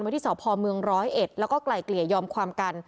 ที่สพเมืองร้อยเอ็ดแล้วก็ไกลเกลี่ยยอมความกัน